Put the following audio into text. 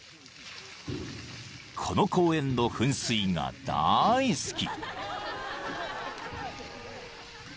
［この公園の噴水が大好き］